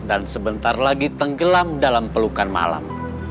dan sebentar lagi tenggelam dalam pelukan malam